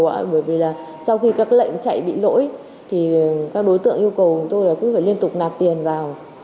bởi vì sau khi các lệnh chạy bị lỗi các đối tượng yêu cầu của tôi cũng phải liên tục nạp tiền vào